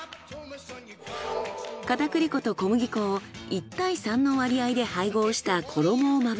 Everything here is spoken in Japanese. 片栗粉と小麦粉を１対３の割合で配合した衣をまぶします。